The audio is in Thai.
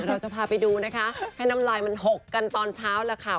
เราจะพาไปดูนะคะให้น้ำลายมันหกกันตอนเช้าแล้วค่ะ